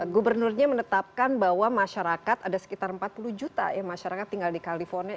gubernurnya menetapkan bahwa masyarakat ada sekitar empat puluh juta ya masyarakat tinggal di california